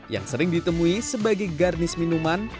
yang sering ditemui sebagai garnis minuman